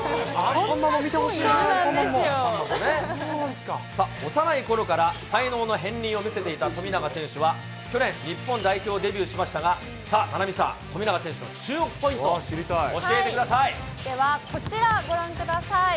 見てほしいな、アンパンマンさあ、幼いころから才能の片りんを見せていた富永選手は去年、日本代表デビューしましたが、さあ、菜波さん、富永選手の注目ポインでは、こちら、ご覧ください。